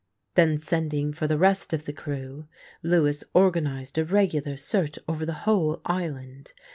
Then sending for the rest of the crew, Lewis organised a regular search over the whole island.